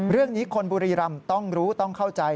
เรื่องนี้คนบุรีรำต้องรู้ต้องเข้าใจ